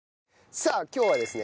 さあ今日はですね